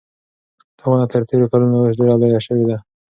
دا ونه تر تېرو کلونو اوس ډېره لویه شوې ده.